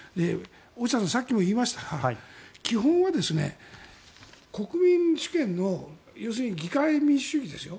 大下さん、さっきも言いましたが基本は国民主権の要するに議会民主主義ですよ。